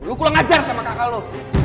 lu kulah ngajar sama kakak lu